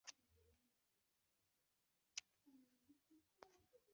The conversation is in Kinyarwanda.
Iteka rya perezida rishyiraho komiseri